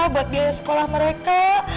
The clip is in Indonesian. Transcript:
buat biaya sekolah mereka